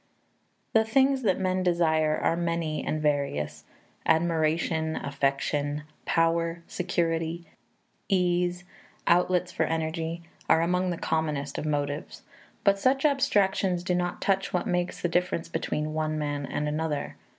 The things that men desire are many and various: admiration, affection, power, security, ease, outlets for energy, are among the commonest of motives. But such abstractions do not touch what makes the difference between one man and another.